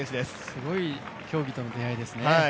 すごい競技との出会いですね。